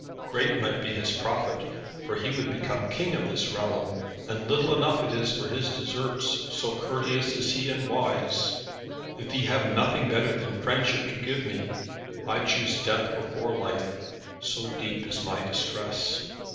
Great might be his profit, for he would become King of this realm, and little enough is it for his deserts, so courteous is he and wise. If he have nothing better than friendship to give me, I choose death before life, so deep is my distress."